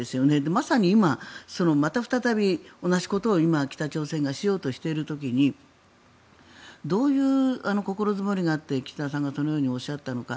まさに今、また再び同じことを北朝鮮がしようとしている時にどういう心づもりがあって岸田さんがそのようにおっしゃったのか。